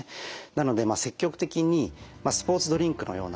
なので積極的にスポーツドリンクのようなですね